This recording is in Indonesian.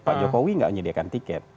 pak jokowi nggak menyediakan tiket